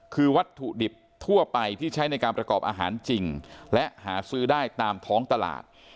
คือวัตถุดิบทั่วไปที่ใช้ในการประกอบอาหารจริงและหาซื้อได้ตามท้องตลาด